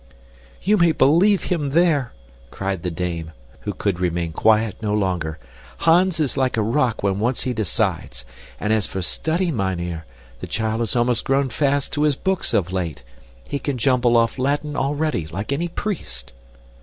"You may believe him there," cried the dame, who could remain quiet no longer. "Hans is like a rock when once he decides, and as for study, mynheer, the child has almost grown fast to his books of late. He can jumble off Latin already, like any priest!"